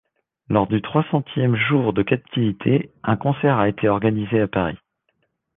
Lors du trois centième jour de captivité, un concert a été organisé à Paris.